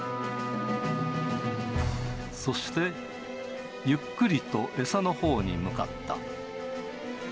そして、ゆっくりと餌のほうに向かった。